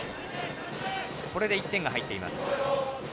これで１点が入っています。